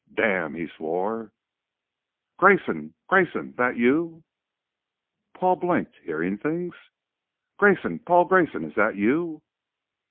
"Damn!" he swore. "Grayson! Grayson! That you?" Paul blinked. Hearing things ? "Grayson! Paul Grayson! Is that you?"